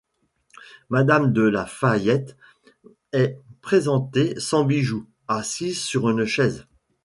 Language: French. Madame de Lafayette est présentée sans bijou, assise sur une chaise.